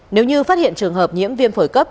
nếu như phát hiện trường hợp nhiễm viêm phổi cấp